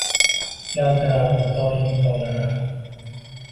Yaltirardi, doim tovlanar